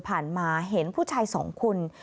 ผ่านมาเห็นผู้ชายสองคุณ